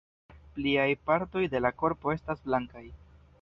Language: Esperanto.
Pliaj partoj de la korpo estas blankaj.